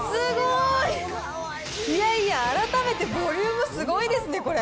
いやいや、改めてボリュームすごいですね、これ。